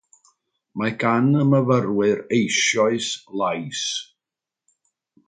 Mae gan y myfyrwyr eisoes lais.